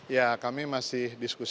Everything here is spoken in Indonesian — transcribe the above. ya kami masih diskusikan